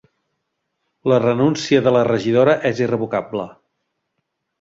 La renúncia de la regidora és irrevocable